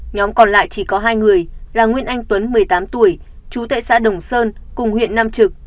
nhóm còn lại chỉ có hai người là nguyễn anh tuấn một mươi tám tuổi chú tại xã đồng sơn cùng huyện nam trực